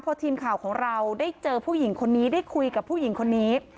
พอทีมข่าวของเราได้เจอผู้หญิงคนนี้ได้คุยกับผู้หญิงคนนี้